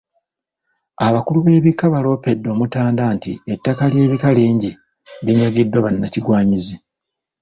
Abakulu b'ebika baaloopedde Omutanda nti ettaka ly'ebika lingi linyagiddwa bannakigwanyizi.